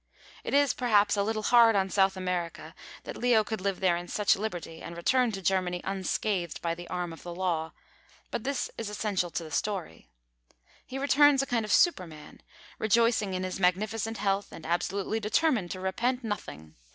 It is perhaps a little hard on South America that Leo could live there in such liberty and return to Germany unscathed by the arm of the law; but this is essential to the story. He returns a kind of Superman, rejoicing in his magnificent health and absolutely determined to repent nothing.